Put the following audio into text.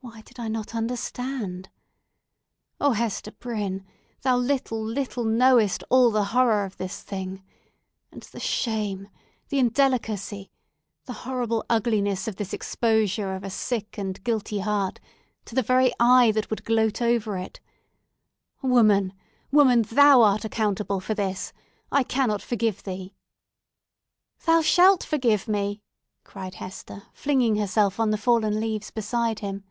Why did I not understand? Oh, Hester Prynne, thou little, little knowest all the horror of this thing! And the shame!—the indelicacy!—the horrible ugliness of this exposure of a sick and guilty heart to the very eye that would gloat over it! Woman, woman, thou art accountable for this!—I cannot forgive thee!" "Thou shalt forgive me!" cried Hester, flinging herself on the fallen leaves beside him.